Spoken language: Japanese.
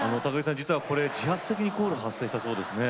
実はこれ自発的にコール発生したそうですね。